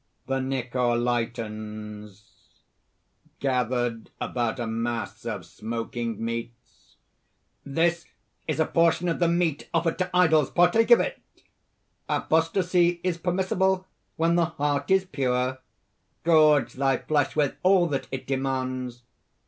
THE NICOLAITANS (gathered about a mass of smoking meats:) "This is a portion of the meat offered to idols; partake of it! Apostasy is permissible when the heart is pure. Gorge thy flesh with all that it demands.